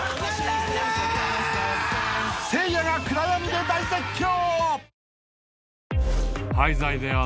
［せいやが暗闇で大絶叫］